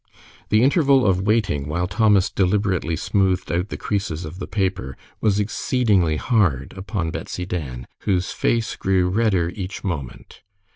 The interval of waiting while Thomas deliberately smoothed out the creases of the paper was exceedingly hard upon Betsy Dan, whose face grew redder each moment.